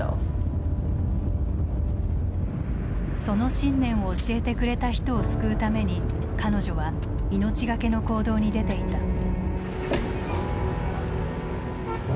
その信念を教えてくれた人を救うために彼女は命懸けの行動に出ていた。